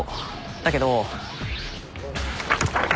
だけど。